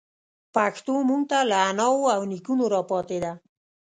پښتو موږ ته له اناوو او نيکونو راپاتي ده.